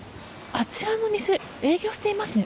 あちらの店営業していますね。